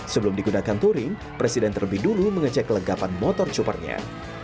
sebelum digunakan touring presiden terlebih dulu mengecek kelegapan motor chopper nya